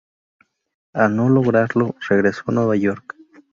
Al no lograrlo, regresó a Nueva York.